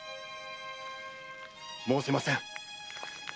〔申せません！〕